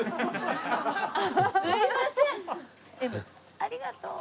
ありがとう。